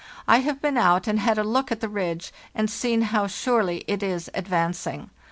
I have been out and had a look at the ridge, and seen how surely it is advancing!